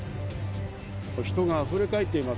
人があふれかえっています。